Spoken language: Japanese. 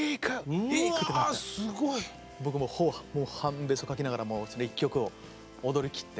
僕もう半ベソかきながらその１曲を踊りきって。